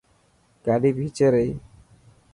گاڏي ڀيچي رهي.